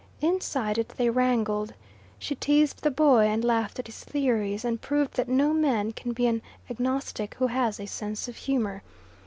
Inside it they wrangled. She teased the boy, and laughed at his theories, and proved that no man can be an agnostic who has a sense of humour.